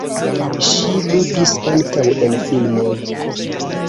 Ŝi ludis ankaŭ en filmoj.